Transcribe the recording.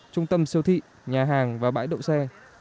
trung tâm siêu thị nhà hàng và bãi đậu xe